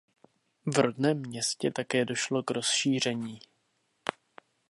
V rodném městě také došlo k rozšíření.